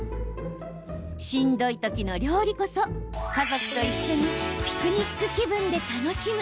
しんどい時の料理こそ家族と一緒にピクニック気分で楽しむ。